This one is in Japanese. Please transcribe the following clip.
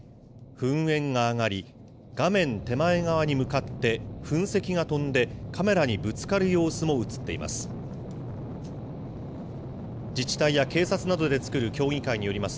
噴煙が上がり、画面手前側に向かって、噴石が飛んで、カメラにぶつかる様子も写っています。